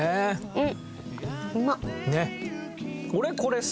うん。